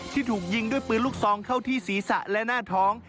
ถูกยิงด้วยปืนลูกซองเข้าที่ศีรษะและหน้าท้อง